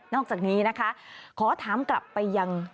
อกจากนี้นะคะขอถามกลับไปยัง